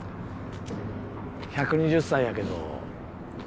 １２０歳やけどいい？